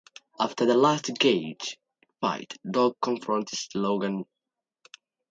After the last cage fight, Dog confronts Logan.